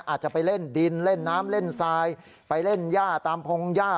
อาจจะไปเล่นดินเล่นน้ำเล่นทรายไปเล่นย่าตามพงหญ้า